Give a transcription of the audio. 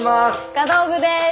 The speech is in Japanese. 華道部です。